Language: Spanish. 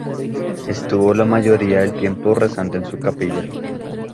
Estuvo la mayoría del tiempo rezando en su capilla.